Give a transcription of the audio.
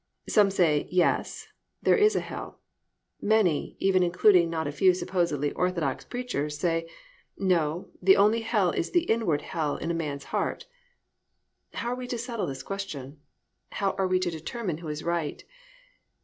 Some say, "yes," there is a hell. Many, even including not a few supposedly orthodox preachers, say, "No, the only hell is the inward hell in a man's heart." How are we to settle this question? How are we to determine who is right?